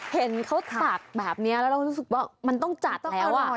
เห็นเขาตักแบบนี้แล้วเรารู้สึกว่ามันต้องจัดแล้ว